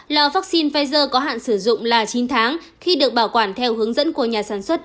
lò vaccine pfizer có hạn sử dụng là chín tháng khi được bảo quản theo hướng dẫn của nhà sản xuất